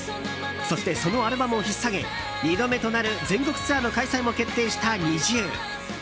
そして、そのアルバムを引っ提げ２度目となる全国ツアーの開催も決定したＮｉｚｉＵ。